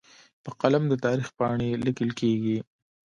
په قلم د تاریخ پاڼې لیکل کېږي.